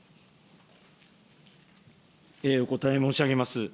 お答え申し上げます。